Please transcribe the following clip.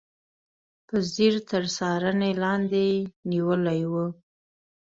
په ځیر تر څارنې لاندې نیولي و.